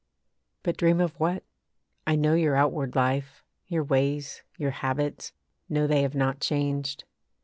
But dream of what? I know your outward life Your ways, your habits; know they have not changed.